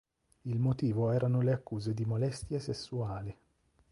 Il motivo erano le accuse di molestie sessuali.